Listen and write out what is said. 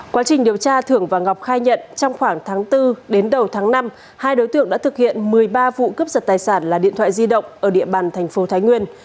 quá trình điều tra thưởng và ngọc khai nhận trong khoảng tháng bốn đến đầu tháng năm hai đối tượng đã thực hiện một mươi ba vụ cướp giật tài sản là điện thoại di động ở địa bàn thành phố thái nguyên